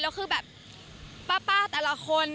แล้วคือแบบป้าแต่ละคน